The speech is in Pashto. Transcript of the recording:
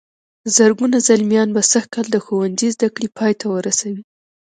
زرګونه زلميان به سږ کال د ښوونځي زدهکړې پای ته ورسوي.